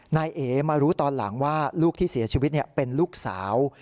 นายเอ๋มารู้ตอนหลังว่าลูกที่เสียชีวิตเป็นลูกสาว